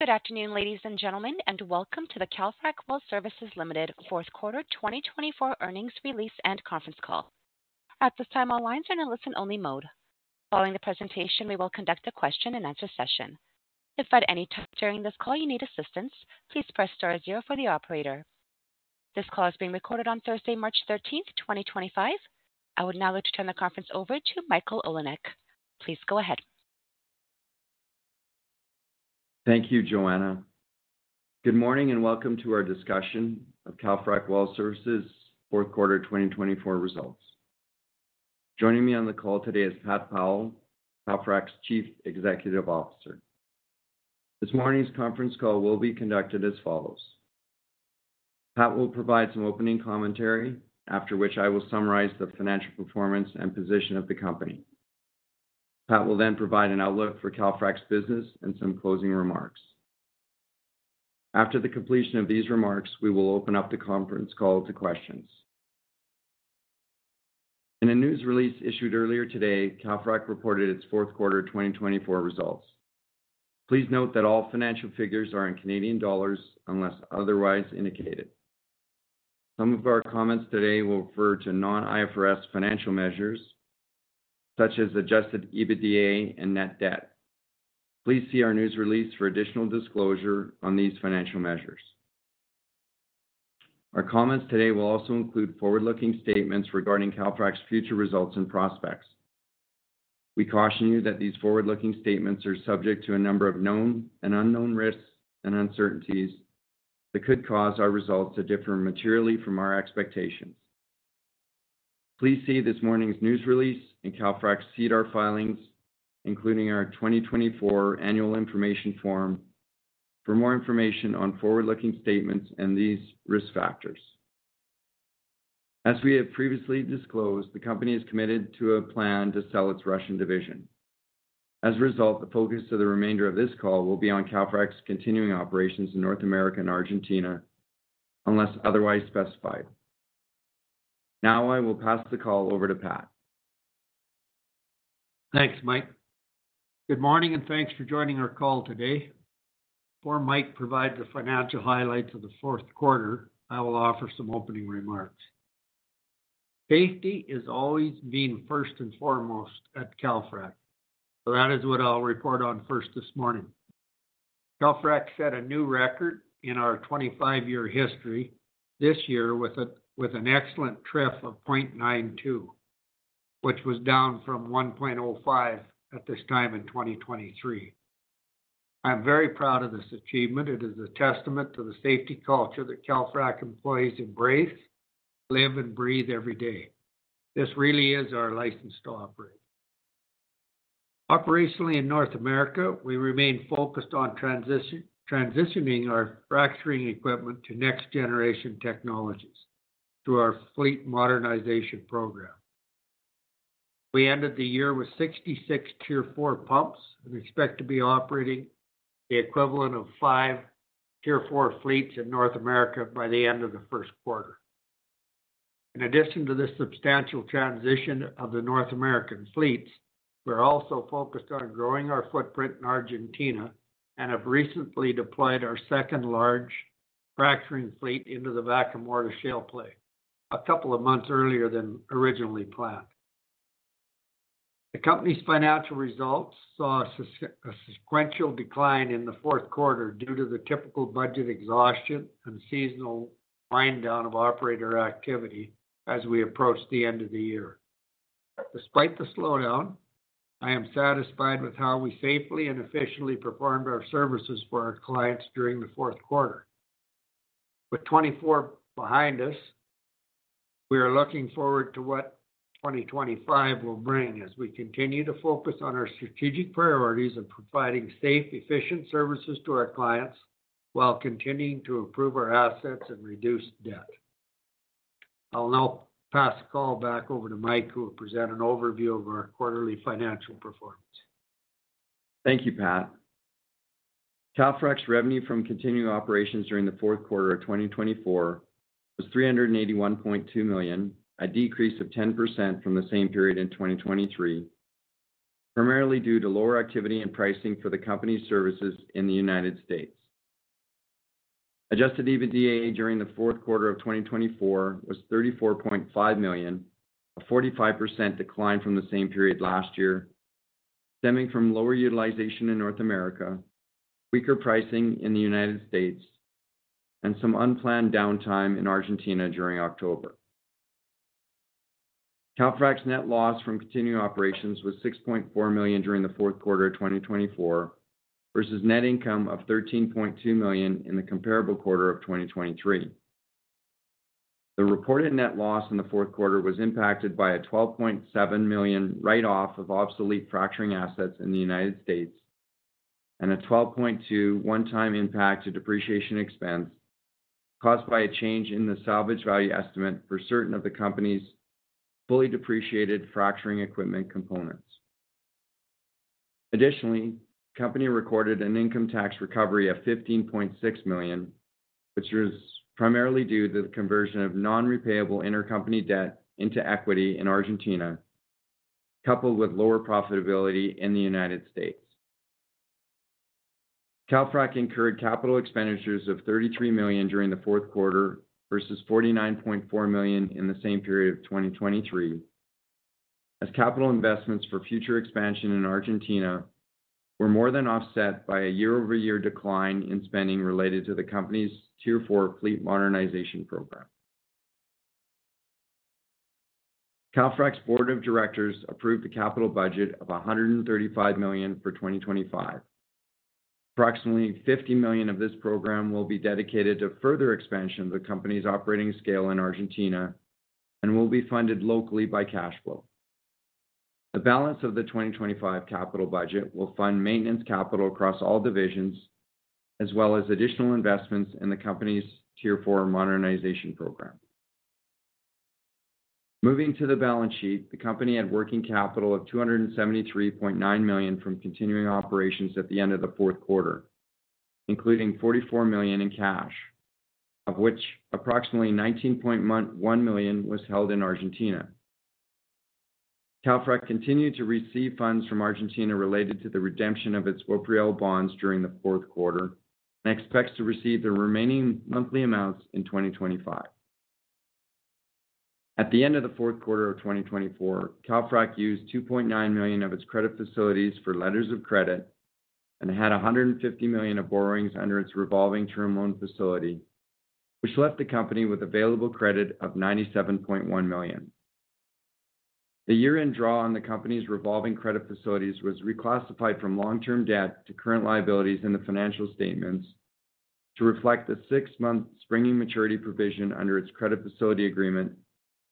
Good afternoon, ladies and gentlemen, and welcome to the Calfrac Well Services Fourth Quarter 2024 earnings release and conference call. At this time, all lines are in a listen-only mode. Following the presentation, we will conduct a question-and-answer session. If at any time during this call you need assistance, please press star zero for the operator. This call is being recorded on Thursday, March 13, 2025. I would now like to turn the conference over to Michael Olinek. Please go ahead. Thank you, Joanna. Good morning and welcome to our discussion of Calfrac Well Services Fourth Quarter 2024 results. Joining me on the call today is Pat Powell, Calfrac's Chief Executive Officer. This morning's conference call will be conducted as follows. Pat will provide some opening commentary, after which I will summarize the financial performance and position of the company. Pat will then provide an outlook for Calfrac's business and some closing remarks. After the completion of these remarks, we will open up the conference call to questions. In a news release issued earlier today, Calfrac reported its Fourth Quarter 2024 results. Please note that all financial figures are in CAD unless otherwise indicated. Some of our comments today will refer to non-IFRS financial measures, such as adjusted EBITDA and net debt. Please see our news release for additional disclosure on these financial measures. Our comments today will also include forward-looking statements regarding Calfrac's future results and prospects. We caution you that these forward-looking statements are subject to a number of known and unknown risks and uncertainties that could cause our results to differ materially from our expectations. Please see this morning's news release and Calfrac's SEDAR filings, including our 2024 annual information form, for more information on forward-looking statements and these risk factors. As we have previously disclosed, the company is committed to a plan to sell its Russian division. As a result, the focus of the remainder of this call will be on Calfrac's continuing operations in North America and Argentina unless otherwise specified. Now I will pass the call over to Pat. Thanks, Mike. Good morning and thanks for joining our call today. Before Mike provides the financial highlights of the fourth quarter, I will offer some opening remarks. Safety is always being first and foremost at Calfrac, so that is what I'll report on first this morning. Calfrac set a new record in our 25-year history this year with an excellent TRIR of 0.92, which was down from 1.05 at this time in 2023. I'm very proud of this achievement. It is a testament to the safety culture that Calfrac employees embrace, live, and breathe every day. This really is our license to operate. Operationally in North America, we remain focused on transitioning our fracturing equipment to next-generation technologies through our fleet modernization program. We ended the year with 66 Tier 4 pumps and expect to be operating the equivalent of five Tier 4 fleets in North America by the end of the first quarter. In addition to this substantial transition of the North American fleets, we're also focused on growing our footprint in Argentina and have recently deployed our second large fracturing fleet into the Vaca Muerta shale play a couple of months earlier than originally planned. The company's financial results saw a sequential decline in the fourth quarter due to the typical budget exhaustion and seasonal wind-down of operator activity as we approach the end of the year. Despite the slowdown, I am satisfied with how we safely and efficiently performed our services for our clients during the fourth quarter. With 2024 behind us, we are looking forward to what 2025 will bring as we continue to focus on our strategic priorities of providing safe, efficient services to our clients while continuing to improve our assets and reduce debt. I'll now pass the call back over to Mike, who will present an overview of our quarterly financial performance. Thank you, Pat. Calfrac's revenue from continuing operations during the fourth quarter of 2024 was 381.2 million, a decrease of 10% from the same period in 2023, primarily due to lower activity and pricing for the company's services in the U.S. Adjusted EBITDA during the fourth quarter of 2024 was 34.5 million, a 45% decline from the same period last year, stemming from lower utilization in North America, weaker pricing in the U.S., and some unplanned downtime in Argentina during October. Calfrac's net loss from continuing operations was 6.4 million during the fourth quarter of 2024 versus net income of 13.2 million in the comparable quarter of 2023. The reported net loss in the fourth quarter was impacted by a 12.7 million write-off of obsolete fracturing assets in the United States and a 12.2 million one-time impact to depreciation expense caused by a change in the salvage value estimate for certain of the company's fully depreciated fracturing equipment components. Additionally, the company recorded an income tax recovery of 15.6 million, which was primarily due to the conversion of non-repayable intercompany debt into equity in Argentina, coupled with lower profitability in the United States. Calfrac incurred capital expenditures of 33 million during the fourth quarter versus 49.4 million in the same period of 2023, as capital investments for future expansion in Argentina were more than offset by a year-over-year decline in spending related to the company's Tier 4 fleet modernization program. Calfrac's board of directors approved a capital budget of 135 million for 2025. Approximately $50 million of this program will be dedicated to further expansion of the company's operating scale in Argentina and will be funded locally by cash flow. The balance of the 2025 capital budget will fund maintenance capital across all divisions, as well as additional investments in the company's Tier 4 modernization program. Moving to the balance sheet, the company had working capital of 273.9 million from continuing operations at the end of the fourth quarter, including 44 million in cash, of which approximately 19.1 million was held in Argentina. Calfrac continued to receive funds from Argentina related to the redemption of its Bopreal bonds during the fourth quarter and expects to receive the remaining monthly amounts in 2025. At the end of the fourth quarter of 2024, Calfrac used $2.9 million of its credit facilities for letters of credit and had $150 million of borrowings under its revolving term loan facility, which left the company with available credit of $97.1 million. The year-end draw on the company's revolving credit facilities was reclassified from long-term debt to current liabilities in the financial statements to reflect the six-month springing maturity provision under its credit facility agreement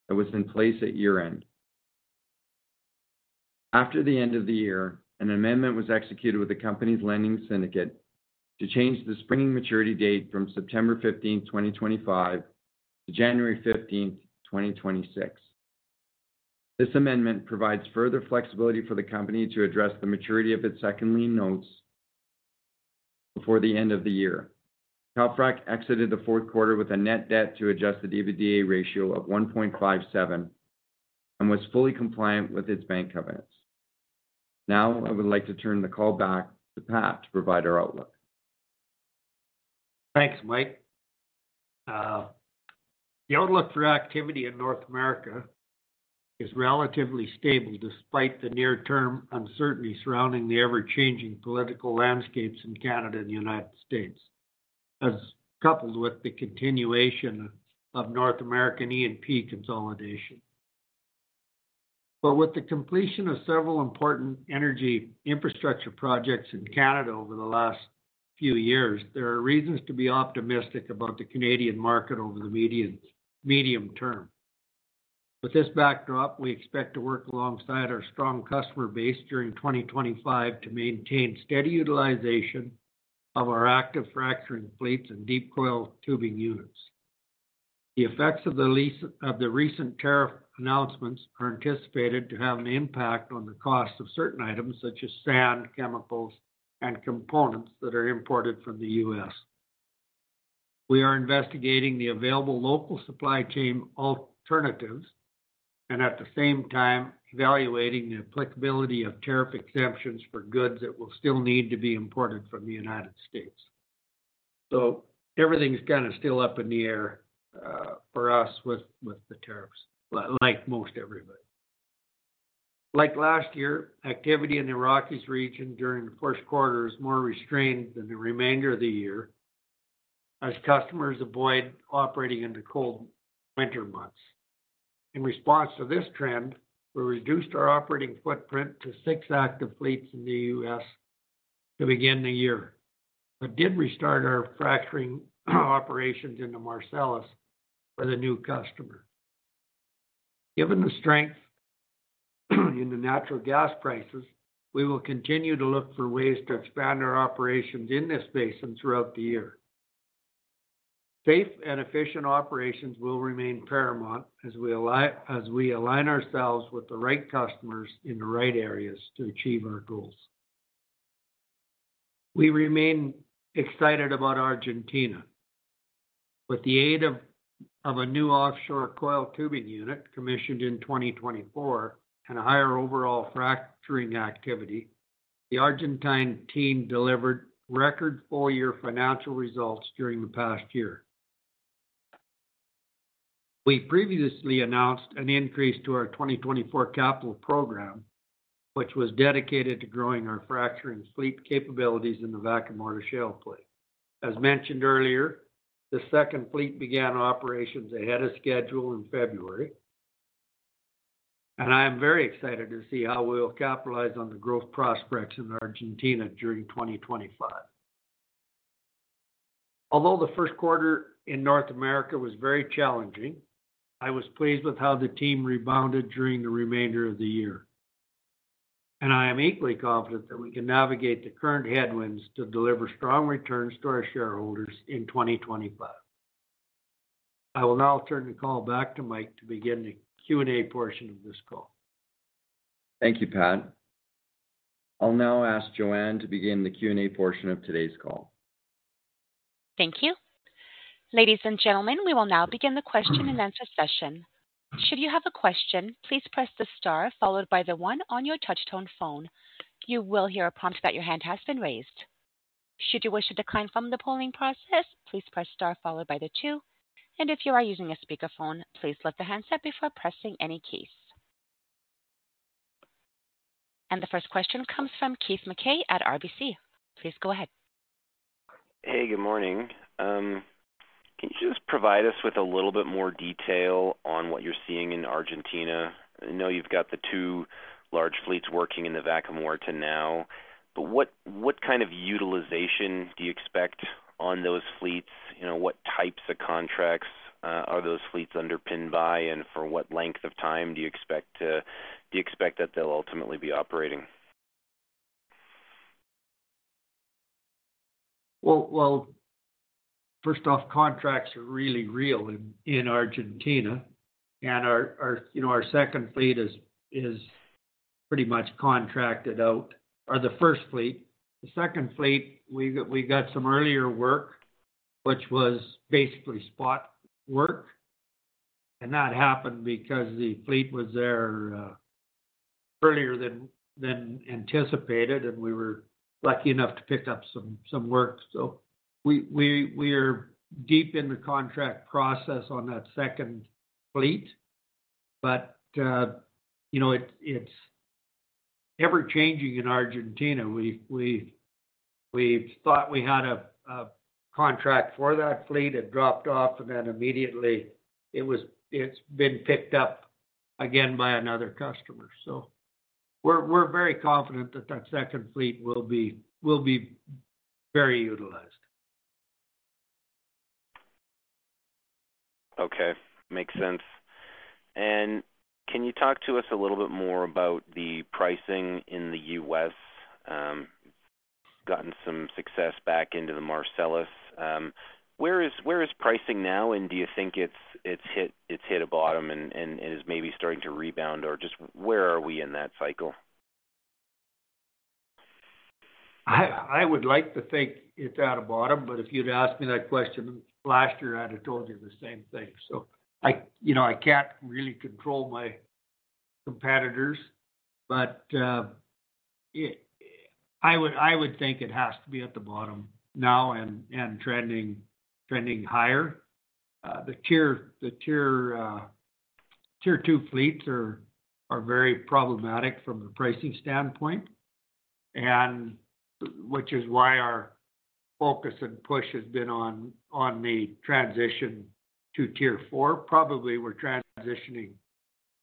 that was in place at year-end. After the end of the year, an amendment was executed with the company's lending syndicate to change the springing maturity date from September 15th, 2025, to January 15th, 2026. This amendment provides further flexibility for the company to address the maturity of its second lien notes before the end of the year. Calfrac exited the fourth quarter with a net debt to adjusted EBITDA ratio of 1.57 and was fully compliant with its bank covenants. Now I would like to turn the call back to Pat to provide our outlook. Thanks, Mike. The outlook for activity in North America is relatively stable despite the near-term uncertainty surrounding the ever-changing political landscapes in Canada and the United States, coupled with the continuation of North American E&P consolidation. With the completion of several important energy infrastructure projects in Canada over the last few years, there are reasons to be optimistic about the Canadian market over the medium term. With this backdrop, we expect to work alongside our strong customer base during 2025 to maintain steady utilization of our active fracturing fleets and deep coil tubing units. The effects of the recent tariff announcements are anticipated to have an impact on the cost of certain items such as sand, chemicals, and components that are imported from the U.S. We are investigating the available local supply chain alternatives and at the same time evaluating the applicability of tariff exemptions for goods that will still need to be imported from the United States. Everything's kind of still up in the air for us with the tariffs, like most everybody. Like last year, activity in the Rockies region during the first quarter is more restrained than the remainder of the year as customers avoid operating in the cold winter months. In response to this trend, we reduced our operating footprint to six active fleets in the U.S. to begin the year, but did restart our fracturing operations into Marcellus for the new customer. Given the strength in the natural gas prices, we will continue to look for ways to expand our operations in this space and throughout the year. Safe and efficient operations will remain paramount as we align ourselves with the right customers in the right areas to achieve our goals. We remain excited about Argentina. With the aid of a new offshore coil tubing unit commissioned in 2024 and a higher overall fracturing activity, the Argentine team delivered record four-year financial results during the past year. We previously announced an increase to our 2024 capital program, which was dedicated to growing our fracturing fleet capabilities in the Vaca Muerta shale play. As mentioned earlier, the second fleet began operations ahead of schedule in February, and I am very excited to see how we will capitalize on the growth prospects in Argentina during 2025. Although the first quarter in North America was very challenging, I was pleased with how the team rebounded during the remainder of the year, and I am equally confident that we can navigate the current headwinds to deliver strong returns to our shareholders in 2025. I will now turn the call back to Mike to begin the Q&A portion of this call. Thank you, Pat. I'll now ask Joanne to begin the Q&A portion of today's call. Thank you. Ladies and gentlemen, we will now begin the question and answer session. Should you have a question, please press the star followed by the one on your touch-tone phone. You will hear a prompt that your hand has been raised. Should you wish to decline from the polling process, please press star followed by the two. If you are using a speakerphone, please lift the hands up before pressing any keys. The first question comes from Keith Mackay at RBC. Please go ahead. Hey, good morning. Can you just provide us with a little bit more detail on what you're seeing in Argentina? I know you've got the two large fleets working in the Vaca Muerta now, but what kind of utilization do you expect on those fleets? What types of contracts are those fleets underpinned by, and for what length of time do you expect that they'll ultimately be operating? First off, contracts are really real in Argentina, and our second fleet is pretty much contracted out of the first fleet. The second fleet, we got some earlier work, which was basically spot work, and that happened because the fleet was there earlier than anticipated, and we were lucky enough to pick up some work. We are deep in the contract process on that second fleet, but it is ever-changing in Argentina. We thought we had a contract for that fleet. It dropped off, and then immediately it has been picked up again by another customer. We are very confident that that second fleet will be very utilized. Okay. Makes sense. Can you talk to us a little bit more about the pricing in the U.S.? Gotten some success back into the Marcellus. Where is pricing now, and do you think it's hit a bottom and is maybe starting to rebound, or just where are we in that cycle? I would like to think it's at a bottom, but if you'd asked me that question last year, I'd have told you the same thing. I can't really control my competitors, but I would think it has to be at the bottom now and trending higher. The tier two fleets are very problematic from the pricing standpoint, which is why our focus and push has been on the transition to tier four. Probably we're transitioning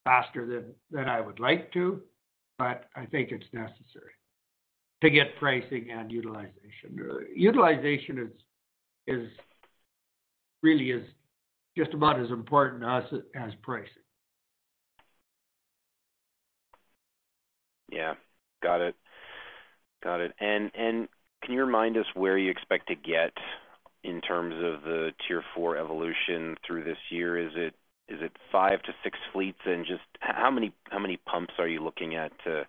faster than I would like to, but I think it's necessary to get pricing and utilization. Utilization really is just about as important as pricing. Yeah. Got it. Got it. Can you remind us where you expect to get in terms of the tier four evolution through this year? Is it five to six fleets? Just how many pumps are you looking at? Are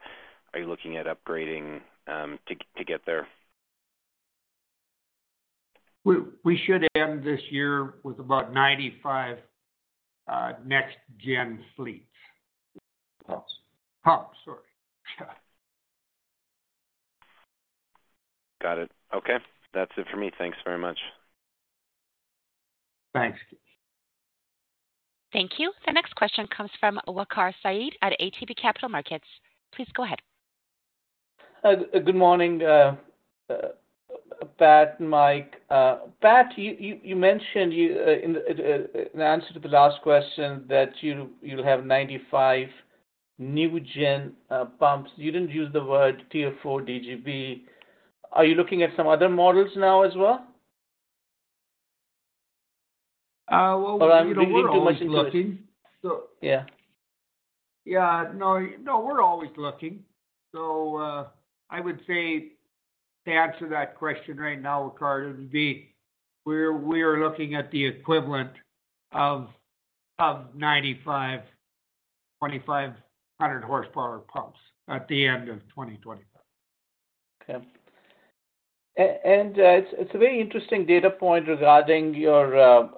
you looking at upgrading to get there? We should end this year with about 95 next-gen fleets. Pumps. Pumps, sorry. Got it. Okay. That's it for me. Thanks very much. Thanks. Thank you. The next question comes from Waqar Syed at ATB Capital Markets. Please go ahead. Good morning, Pat and Mike. Pat, you mentioned in answer to the last question that you'll have 95 new-gen pumps. You didn't use the word Tier 4 DGB. Are you looking at some other models now as well? We're looking at. Are you looking? Yeah. Yeah. No, we're always looking. I would say the answer to that question right now, Waqar, would be we are looking at the equivalent of 95 2,500 horsepower pumps at the end of 2025. Okay. It is a very interesting data point regarding your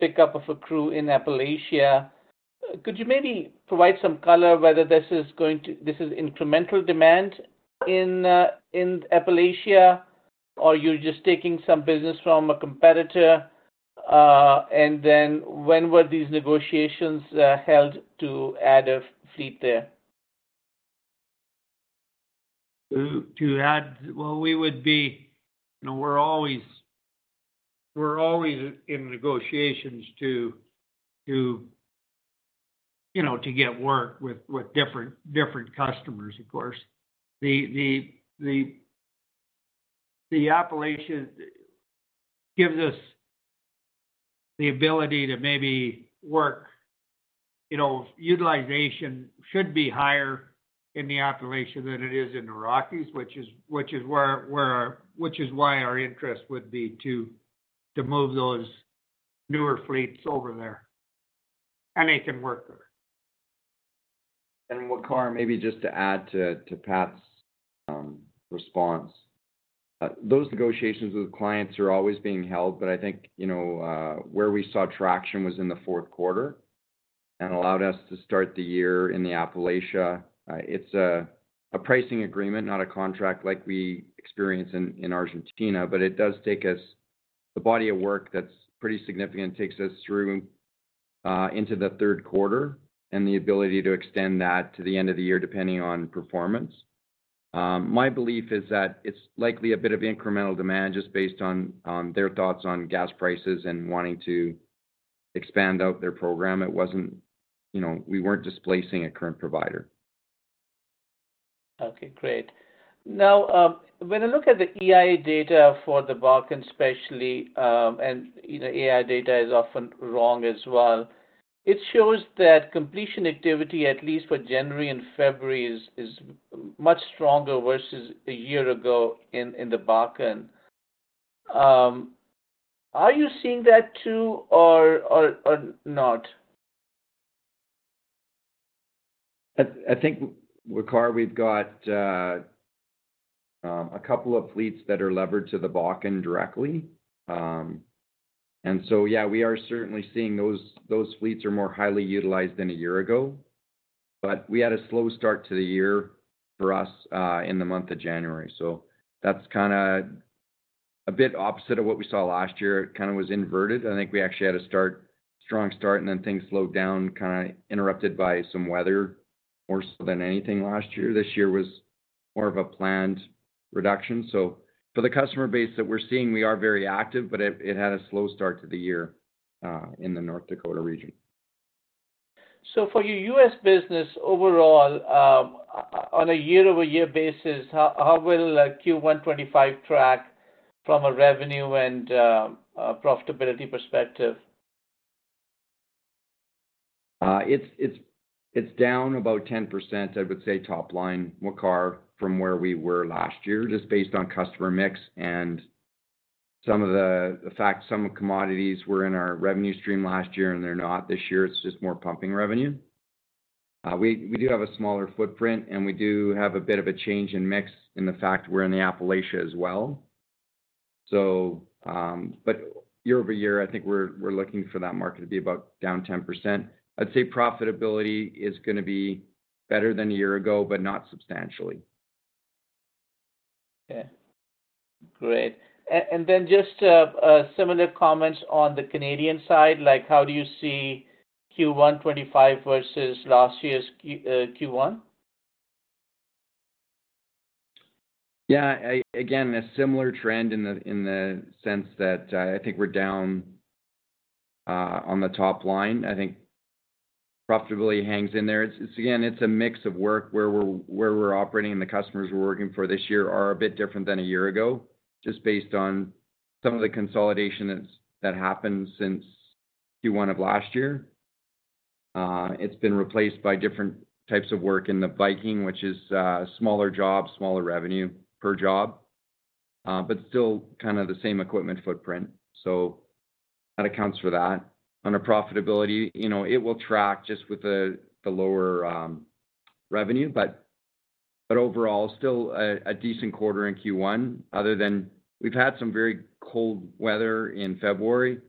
pickup of a crew in Appalachia. Could you maybe provide some color whether this is incremental demand in Appalachia, or you are just taking some business from a competitor? When were these negotiations held to add a fleet there? We are always in negotiations to get work with different customers, of course. The Appalachia gives us the ability to maybe work. Utilization should be higher in the Appalachia than it is in the Rockies, which is why our interest would be to move those newer fleets over there, and they can work there. Waqar, maybe just to add to Pat's response, those negotiations with clients are always being held, but I think where we saw traction was in the fourth quarter and allowed us to start the year in the Appalachia. It's a pricing agreement, not a contract like we experience in Argentina, but it does take us the body of work that's pretty significant takes us through into the third quarter and the ability to extend that to the end of the year depending on performance. My belief is that it's likely a bit of incremental demand just based on their thoughts on gas prices and wanting to expand out their program. It wasn't we weren't displacing a current provider. Okay. Great. Now, when I look at the EIA data for the Bakken especially, and EIA data is often wrong as well, it shows that completion activity, at least for January and February, is much stronger versus a year ago in the Bakken. Are you seeing that too or not? I think, Waqar, we've got a couple of fleets that are levered to the Bakken directly. Yeah, we are certainly seeing those fleets are more highly utilized than a year ago, but we had a slow start to the year for us in the month of January. That's kind of a bit opposite of what we saw last year. It kind of was inverted. I think we actually had a strong start, and then things slowed down, kind of interrupted by some weather more so than anything last year. This year was more of a planned reduction. For the customer base that we're seeing, we are very active, but it had a slow start to the year in the North Dakota region. For your U.S. business overall, on a year-over-year basis, how will Q1 2025 track from a revenue and profitability perspective? It's down about 10%, I would say, top line, Waqar, from where we were last year, just based on customer mix and some of the fact some commodities were in our revenue stream last year and they're not this year. It's just more pumping revenue. We do have a smaller footprint, and we do have a bit of a change in mix in the fact we're in the Appalachia as well. Year-over-year, I think we're looking for that market to be about down 10%. I'd say profitability is going to be better than a year ago, but not substantially. Okay. Great. Just similar comments on the Canadian side. How do you see Q1 2025 versus last year's Q1? Yeah. Again, a similar trend in the sense that I think we're down on the top line. I think profitability hangs in there. Again, it's a mix of work where we're operating and the customers we're working for this year are a bit different than a year ago, just based on some of the consolidation that happened since Q1 of last year. It's been replaced by different types of work in the Viking, which is smaller jobs, smaller revenue per job, but still kind of the same equipment footprint. That accounts for that. On profitability, it will track just with the lower revenue, but overall, still a decent quarter in Q1, other than we've had some very cold weather in February,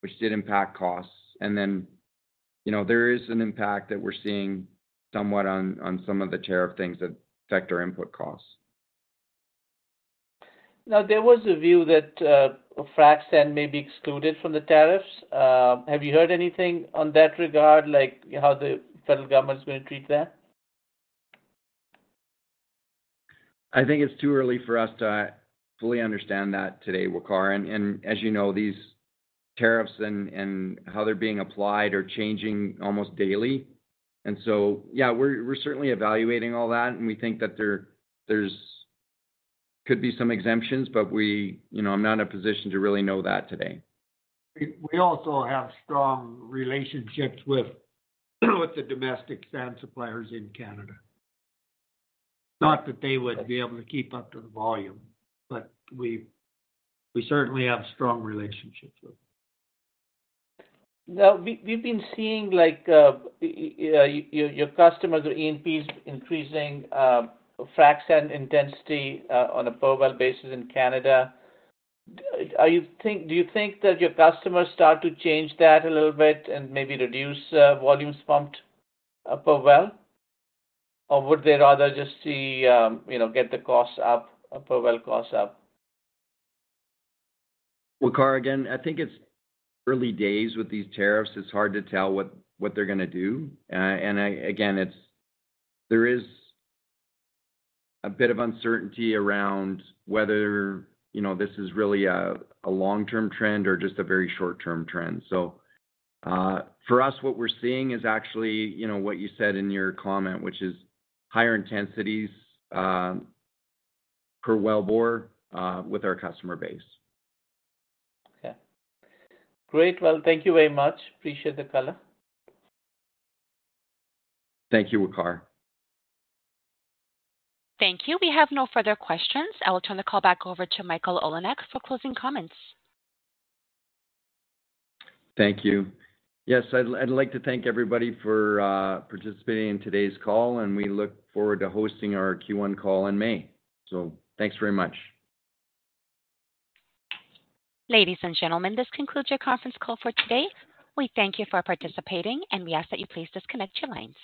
which did impact costs. There is an impact that we're seeing somewhat on some of the tariff things that affect our input costs. Now, there was a view that frac sand may be excluded from the tariffs. Have you heard anything on that regard, like how the federal government is going to treat that? I think it's too early for us to fully understand that today, Waqar. As you know, these tariffs and how they're being applied are changing almost daily. Yeah, we're certainly evaluating all that, and we think that there could be some exemptions, but I'm not in a position to really know that today. We also have strong relationships with the domestic sand suppliers in Canada. Not that they would be able to keep up to the volume, but we certainly have strong relationships with them. Now, we've been seeing your customers, the E&Ps, increasing frac sand intensity on a per-well basis in Canada. Do you think that your customers start to change that a little bit and maybe reduce volumes pumped per well, or would they rather just see get the cost up, per-well cost up? Waqar, again, I think it's early days with these tariffs. It's hard to tell what they're going to do. There is a bit of uncertainty around whether this is really a long-term trend or just a very short-term trend. For us, what we're seeing is actually what you said in your comment, which is higher intensities per well bore with our customer base. Okay. Great. Thank you very much. Appreciate the color. Thank you, Waqar. Thank you. We have no further questions. I will turn the call back over to Michael Olinek for closing comments. Thank you. Yes, I'd like to thank everybody for participating in today's call, and we look forward to hosting our Q1 call in May. Thanks very much. Ladies and gentlemen, this concludes your conference call for today. We thank you for participating, and we ask that you please disconnect your lines.